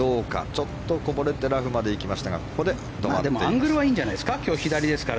ちょっとこぼれてラフまで行きましたがアングルはいいんじゃないですか。